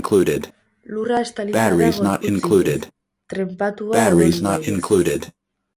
Lurra estalia da dena gorputz hilez, trenpatua odol ibaiez.